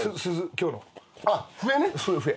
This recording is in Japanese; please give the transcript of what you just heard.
今日の。